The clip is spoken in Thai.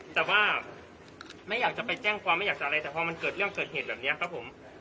แต่ว่าไม่อยากจะไปแจ้งความไม่อยากจะอะไรแต่พอมันเกิดเรื่องเกิดเหตุแบบนี้ครับผม